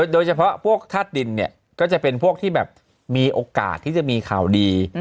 เฉพาะพวกธาตุดินเนี่ยก็จะเป็นพวกที่แบบมีโอกาสที่จะมีข่าวดี